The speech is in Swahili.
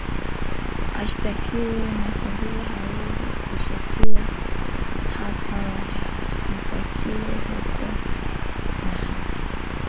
ashitakiwe na kwa vile hawezi kushatiwa hapa washitakiwe huko na hapa